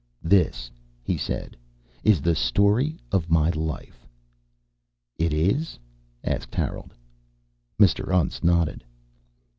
"This," he said, "is the story of my life." "It is?" asked Harold. Mr. Untz nodded.